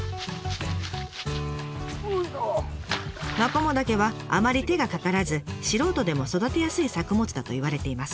マコモダケはあまり手がかからず素人でも育てやすい作物だといわれています。